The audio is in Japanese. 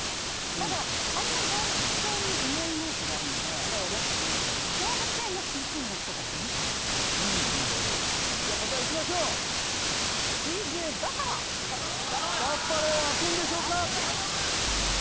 ただあんまり動物園にいないイメージがあるので動物園の飼育員の人が言うかなあなるほどじゃあ答えいきましょう水牛バッファローあくんでしょうか頼む！